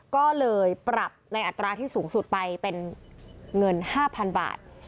ก็เลยปรับในอัตราที่สูงสุดไปเป็นเงิน๕๐๐๐บาท